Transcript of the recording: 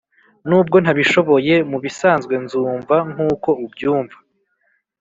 nubwo ntabishoboye, mubisanzwe nzumva nkuko ubyumva.